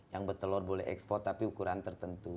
yang bertelur boleh ekspor tapi ukuran tertentu